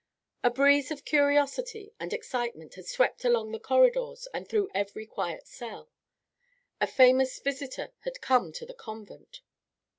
A breeze of curiosity and excitement had swept along the corridors and through every quiet cell. A famous visitor had come to the convent.